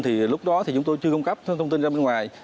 thì lúc đó thì chúng tôi chưa cung cấp thông tin ra bên ngoài